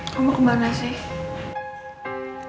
kamu kemana sih